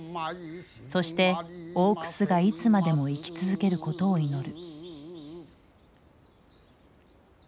そして大楠がいつまでも生き続けることを祈る。